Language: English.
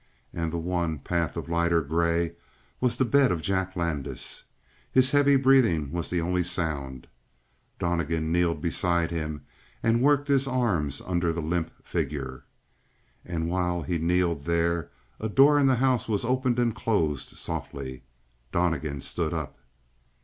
And the one path of lighter gray was the bed of Jack Landis. His heavy breathing was the only sound. Donnegan kneeled beside him and worked his arms under the limp figure. And while he kneeled there a door in the house was opened and closed softly. Donnegan stood up.